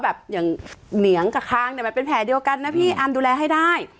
แบบอย่างเหนียงกับคางเนี่ยมันเป็นแผลเดียวกันนะพี่อันดูแลให้ได้